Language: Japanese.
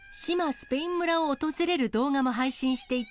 スペイン村を訪れる動画も配信していた